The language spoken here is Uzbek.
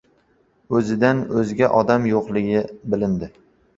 O‘zidan o‘zga odam yo‘qligini bildi.